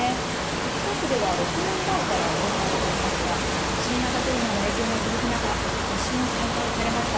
北区では６年前から行われていますが新型コロナの影響が続く中、ことしも開催されました。